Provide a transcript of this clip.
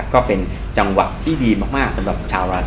ก็เป็นจังหวะที่ดีมากสำหรับชาวราศี